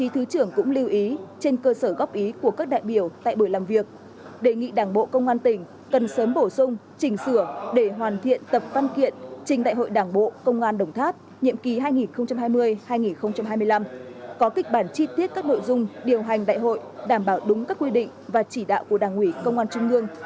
thứ trưởng lê tấn tới lưu ý cán bộ chính sĩ bộ tư lệnh cảnh vệ nói chung